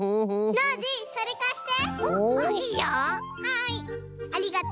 ノージーそれかして！